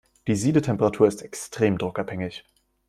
Die Siedetemperatur ist extrem druckabhängig.